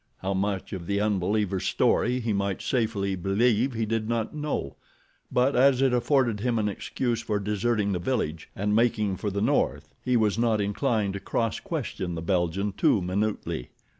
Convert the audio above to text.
How much of the unbeliever's story he might safely believe he did not know; but as it afforded him an excuse for deserting the village and making for the north he was not inclined to cross question the Belgian too minutely.